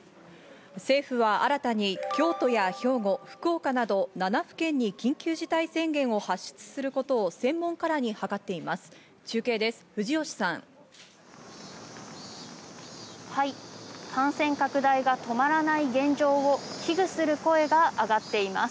政府は新たに京都や兵庫、福岡など７府県に緊急事態宣言を発出することを専門家らに諮っています。